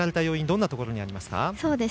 どんなところにありますか。